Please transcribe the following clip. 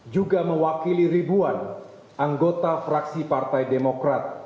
juga mewakili ribuan anggota fraksi partai demokrat